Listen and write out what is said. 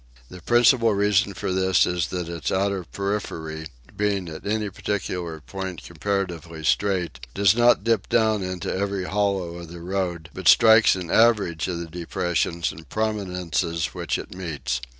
The principal reason for this is that its outer periphery, being at any particular point comparatively straight, does not dip down into every hollow of the road, but strikes an average of the depressions and prominences which it meets.